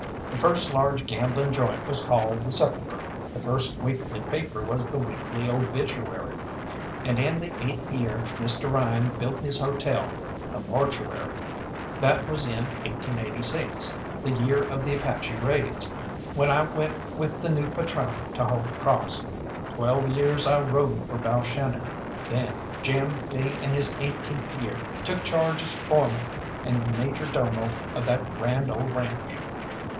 The first large gambling joint was called the "Sepulchre," the first weekly paper was the Weekly Obituary, and in the eighth year Mr. Ryan built his hotel the "Mortuary." That was in 1886, the year of the Apache raids, when I went with the new patrone to Holy Cross. Twelve years I rode for Balshannon, then, Jim being in his eighteenth year, took charge as foreman and major domo of that grand old ranche.